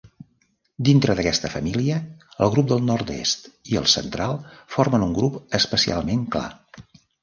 Dintre d'aquesta família, el grup del nord-est i el central formen un grup especialment clar.